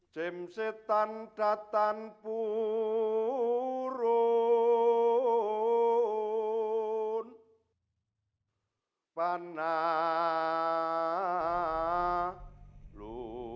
demsetan datan purun panah lu